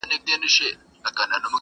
په دې ښار کي زه حاکم یمه سلطان یم,